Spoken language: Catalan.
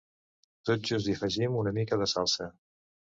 Tot just hi afegim una mica de salsa.